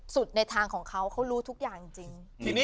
ในทางของเขาเขารู้ทุกอย่างจริง